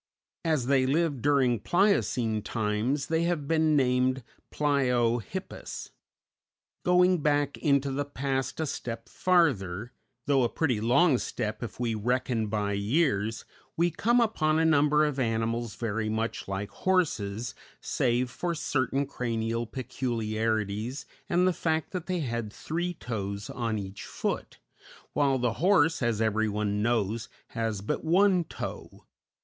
As they lived during Pliocene times, they have been named "Pliohippus." Going back into the past a step farther, though a pretty long step if we reckon by years, we come upon a number of animals very much like horses, save for certain cranial peculiarities and the fact that they had three toes on each foot, while the horse, as every one knows, has but one toe.